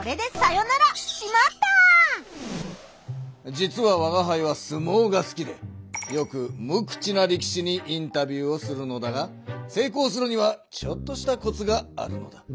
実はわがはいはすもうが好きでよく無口な力士にインタビューをするのだがせいこうするにはちょっとしたコツがあるのだ。